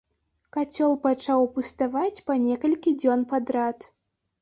Кацёл пачаў пуставаць па некалькі дзён падрад.